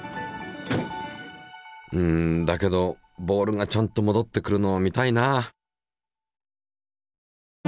うんだけどボールがちゃんと戻ってくるのを見たいな。